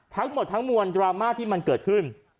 ทั้งหมดทั้งมวลดราม่าที่มันเกิดขึ้น